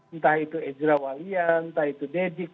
entah itu ezra walian entah itu dedik